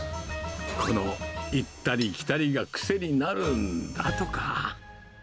この行ったり来たりが癖になるんだとか。